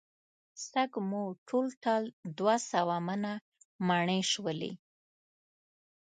سږ مو ټول ټال دوه سوه منه مڼې شولې.